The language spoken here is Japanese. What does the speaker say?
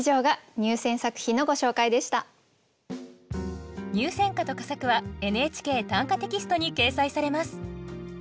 入選歌と佳作は「ＮＨＫ短歌」テキストに掲載されます。